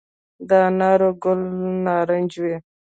د انارو ګل نارنجي وي؟